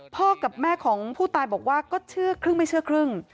พ่อกับแม่ของผู้ตายบอกว่าก็เชื่อครึ่งไม่เชื่อครึ่ง